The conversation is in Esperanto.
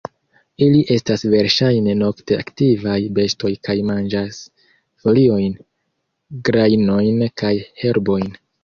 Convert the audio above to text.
Ili estas verŝajne nokte aktivaj bestoj kaj manĝas foliojn, grajnojn kaj herbojn.